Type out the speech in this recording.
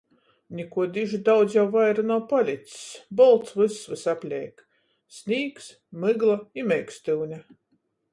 Nikuo diži daudz jau vaira nav palics. Bolts vyss vysapleik - snīgs, mygla i meikstyune.